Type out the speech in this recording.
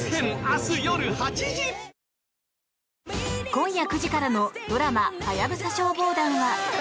今夜９時からのドラマ「ハヤブサ消防団」は。